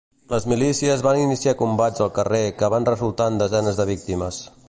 Les milícies van iniciar combats al carrer que van resultar en desenes de víctimes.